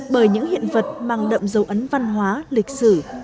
bởi những hiện vật mang đậm dấu ấn văn hóa lịch sử